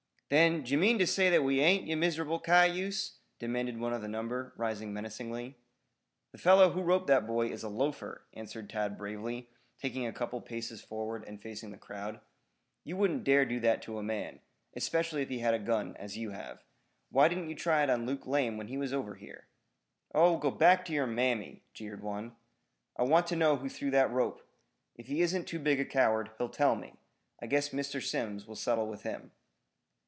"Then, d'ye mean to say that we ain't, ye miserable cayuse?" demanded one of the number, rising menacingly. "The fellow who roped that boy is a loafer!" answered Tad bravely, taking a couple of paces forward and facing the crowd. "You wouldn't dare do that to a man, especially if he had a gun as you have. Why didn't you try it on Luke Lame when he was over here?" "Oh, go back to yer mammy," jeered one. "I want to know who threw that rope? If he isn't too big a coward, he'll tell me. I guess Mr. Simms will settle with him."